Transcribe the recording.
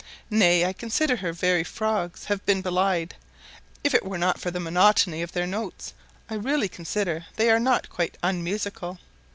Nay, I consider her very frogs have been belied: if it were not for the monotony of their notes, I really consider they are not quite unmusical.